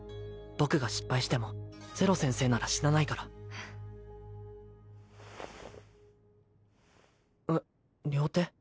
僕が失敗してもゼロ先生なら死なないからえっ両手？